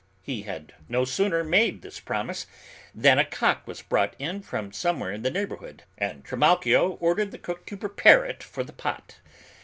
He had no sooner made this promise, than a cock was brought in from somewhere in the neighborhood and Trimalchio ordered the cook to prepare it for the pot.